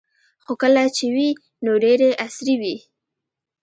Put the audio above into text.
خو کله چې وې نو ډیرې عصري وې